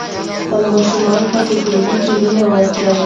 خپلو ماشومانو ته په ټولګي کې مینه ورکړئ.